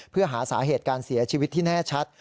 เพื่อหาสาเหตุการเสียชีวิตที่แน่ชัด